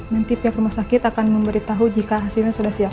nanti pihak rumah sakit akan memberitahu jika hasilnya sudah siap